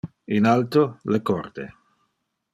In alto le corde.